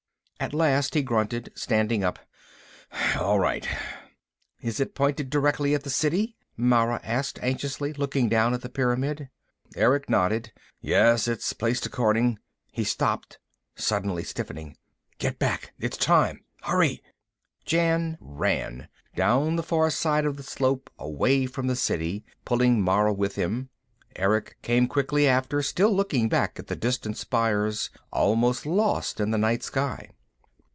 At last he grunted, standing up. "All right." "Is it pointed directly at the City?" Mara asked anxiously, looking down at the pyramid. Erick nodded. "Yes, it's placed according " He stopped, suddenly stiffening. "Get back! It's time! Hurry!" Jan ran, down the far side of the slope, away from the City, pulling Mara with him. Erick came quickly after, still looking back at the distant spires, almost lost in the night sky.